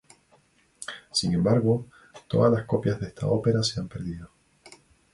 Sin embargo, todas las copias de esta ópera se han perdido.